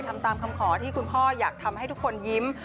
ทำตามคำขอที่คุณพ่ออยากทำให้ทุกคนยิ้ม